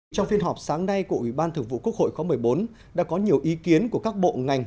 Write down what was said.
trong phiên họp sáng nay của ủy ban thường vụ quốc hội khóa một mươi bốn đã có nhiều ý kiến của các bộ ngành